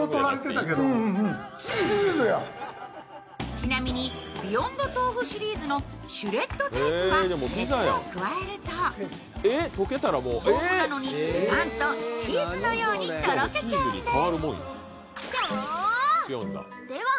ちなみにＢＥＹＯＮＤＴＯＦＵシリーズのシュレッドタイプは熱を加えると、豆腐なのに、なんとチーズのようにとろけちゃうんです。